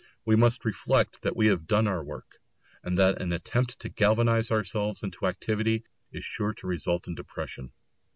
We must reflect that we have done our work, and that an attempt to galvanise ourselves into activity is sure to result in depression.